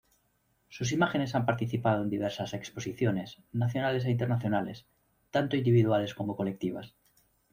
Sus imágenes han participado en diversas exposiciones, nacionales e internacionales, tanto individuales como colectivas.